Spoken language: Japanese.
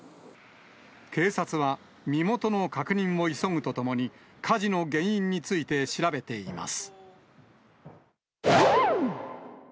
警察は、身元の確認を急ぐとともに火事の原因について調べています。